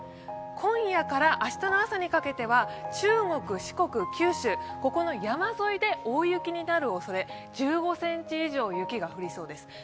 今夜から明日の朝にかけては中国・四国・九州、この山沿いで大雪になるおそれ、１５ｃｍ以上雪が降りそうです。